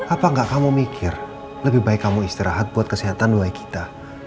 apa enggak kamu mikir lebih baik kamu istirahat buat kesehatan way kita